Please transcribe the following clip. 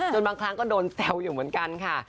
บางครั้งก็โดนแซวอยู่เหมือนกันค่ะ